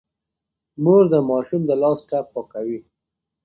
مور د ماشوم د لاس ټپ پاکوي.